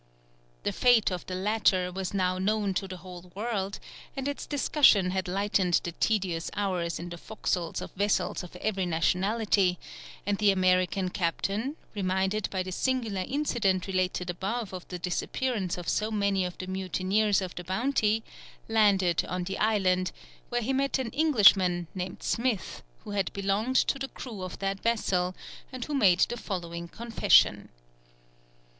The fate of the latter was now known to the whole world, and its discussion had lightened the tedious hours in the forecastles of vessels of every nationality, and the American captain, reminded by the singular incident related above of the disappearance of so many of the mutineers of the Bounty, landed on the island, where he met an Englishman named Smith, who had belonged to the crew of that vessel, and who made the following confession.